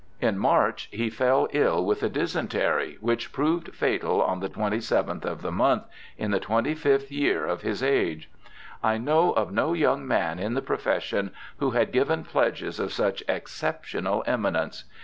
In March he fell ill with a dysentery, which proved fatal on the twenty seventh of the month, in the twenty fifth year of his age. I know of no young man in the profession who had given pledges of such exceptional eminence.